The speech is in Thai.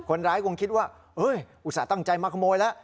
คนร้ายคงคิดว่าอุตส่าห์ตั้งใจมาขโมยแล้ว